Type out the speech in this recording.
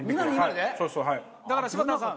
だから柴田さん